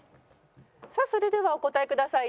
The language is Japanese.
さあそれではお答えください。